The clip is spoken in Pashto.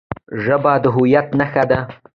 ژبه د هویت نښه ده.